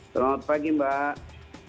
selamat pagi mbak